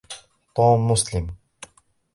توم مسلم.